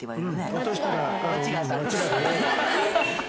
落としたら。